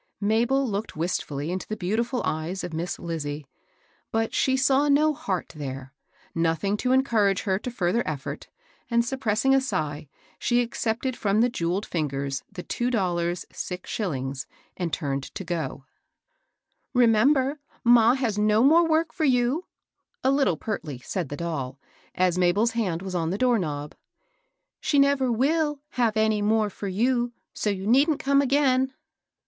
Mabel looked wistfully into the beautiful eyes of Miss Lizie ; but she saw no heart there, — nothing to encourage her to further effort, and suppressing a sigh, she accepted from the jewelled fingers the two dollars six shillings, and turned to go. THE LADY PRESIDENT. 865 " Remember ma has no more work for you," a little pertly, said the doll, as Mabel's hand was on the door knob. " She never mil have any more for you; so you needn't come again."